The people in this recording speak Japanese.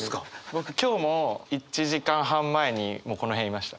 僕今日も１時間半前にもうこの部屋いました。